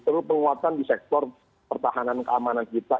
perlu penguatan di sektor pertahanan keamanan kita